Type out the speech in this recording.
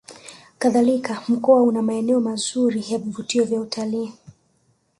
Kadhalika Mkoa una maeneo mazuri ya vivutio vya utalii